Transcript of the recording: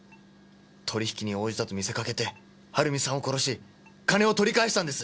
取引に応じたと見せかけてはるみさんを殺し金を取り返したんです！